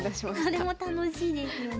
それも楽しいですよね。